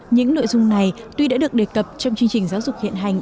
những nội dung này tuy đã được đề cập trong chương trình giáo dục hiện hành